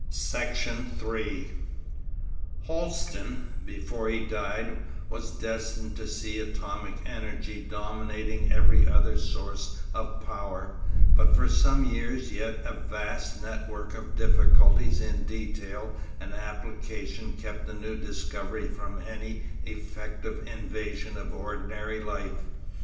.. Section 3 Holsten, before he died, was destined to see atomic energy dominating every other source of power, but for some years yet a vast network of difficulties in detail and application kept the new discovery from any effective invasion of ordinary life.